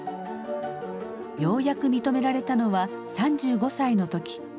ようやく認められたのは３５歳の時。